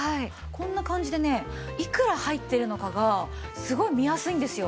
こんな感じでねいくら入ってるのかがすごい見やすいんですよ。